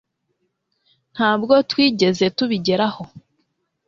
ntabwo twigeze tubigeraho